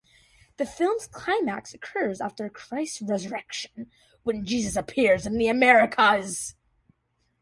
The film's climax occurs after Christ's resurrection, when Jesus appears in the Americas.